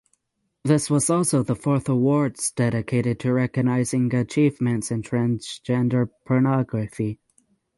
This was the fourth awards dedicated to recognising achievements in transgender pornography.